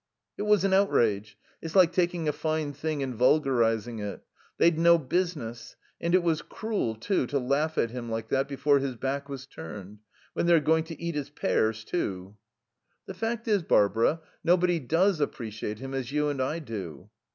"It was an outrage. It's like taking a fine thing and vulgarizing it. They'd no business. And it was cruel, too, to laugh at him like that before his back was turned. When they're going to eat his pears, too." "The fact is, Barbara, nobody does appreciate him as you and I do."